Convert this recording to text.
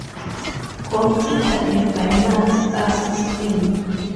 Consider a binary star system.